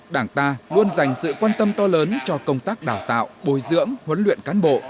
đảng ta luôn dành sự quan tâm to lớn cho công tác đào tạo bồi dưỡng huấn luyện cán bộ